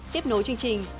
tiếp nối chương trình